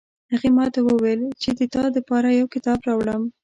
هغې ماته وویل چې د تا د پاره یو کتاب راوړم